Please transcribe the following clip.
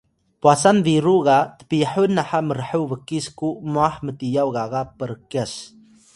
pwasan biru ga tpihun naha mrhuw bkis ku mwah mtiyaw gaga p’rkyas